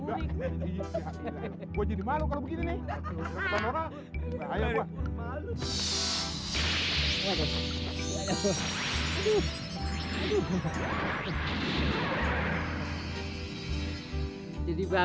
lalu jadi babi lu gede aja gajah begini ya